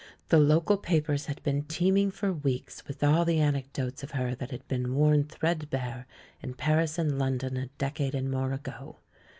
The local papers had been teeming for weeks with all the anecdotes of her that had been worn threadbare in Paris and London a decade and more ago.